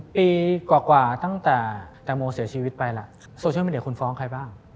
ปีกว่าตั้งแต่แตงโมเสียชีวิตไปล่ะโซเชียลมีเดียคุณฟ้องใครบ้าง